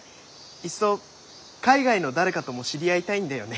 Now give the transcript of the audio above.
いっそ海外の誰かとも知り合いたいんだよね。